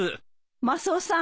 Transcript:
マスオさん